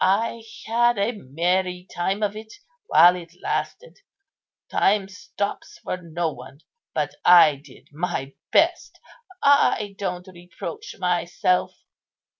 I had a merry time of it while it lasted. Time stops for no one, but I did my best; I don't reproach myself.